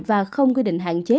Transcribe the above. và không quy định hạn chế